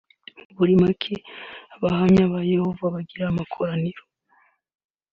Buri mwaka abahamya ba Yehova bagira amakoraniro